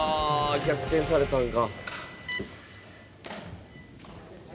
逆転されたんか。